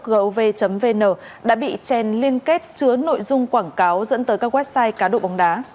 gov vn đã bị chèn liên kết chứa nội dung quảng cáo dẫn tới các website cá độ bóng đá